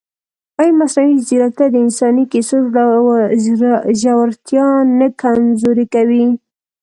ایا مصنوعي ځیرکتیا د انساني کیسو ژورتیا نه کمزورې کوي؟